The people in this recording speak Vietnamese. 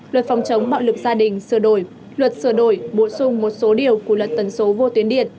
luật phòng chống bạo lực gia đình sửa đổi luật sửa đổi bổ sung một số điều của luật tần số vô tuyến điện